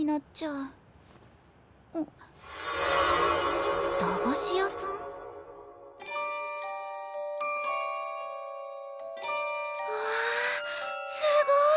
うわすごい！